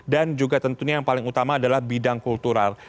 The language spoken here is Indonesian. dan juga tentunya yang paling utama adalah bidang kultural